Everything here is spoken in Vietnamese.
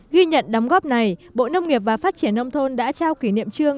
ghi nhận đóng góp này bộ nông nghiệp và phát triển nông thôn đã trao kỷ niệm trương